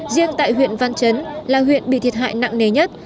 riêng tại huyện văn chấn là huyện bị thiệt hại nặng nề nhất